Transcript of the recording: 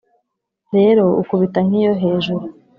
Rero ukubita nk’iyo hejuru